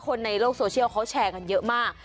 คนในโลกโซเชียลเขาแชร์กันเยอะมาก